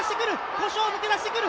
古性を抜け出してくる！